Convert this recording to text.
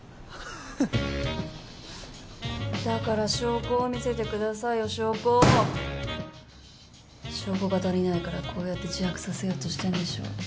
フッフフだから証拠を見せてくださいよ証拠を証拠が足りないからこうやって自白させようとしてんでしょ？